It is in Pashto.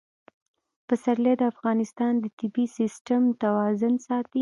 پسرلی د افغانستان د طبعي سیسټم توازن ساتي.